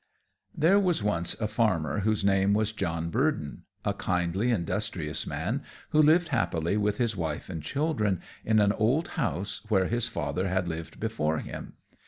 _ There was once a farmer whose name was John Burdon, a kindly, industrious man, who lived happily with his wife and children, in an old house, where his father had lived before him.